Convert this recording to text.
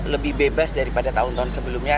lebih bebas daripada tahun tahun sebelumnya